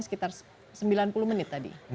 sekitar sembilan puluh menit tadi